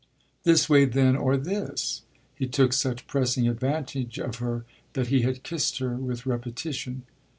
"This way then or this!" He took such pressing advantage of her that he had kissed her with repetition.